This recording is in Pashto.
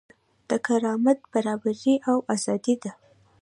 دا کرامت، برابري او ازادي ده.